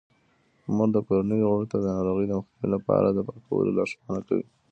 مور د کورنۍ غړو ته د ناروغیو د مخنیوي لپاره د پاکولو لارښوونه کوي.